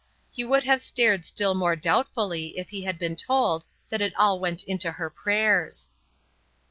He would have stared still more doubtfully if he had been told that it all went into her prayers.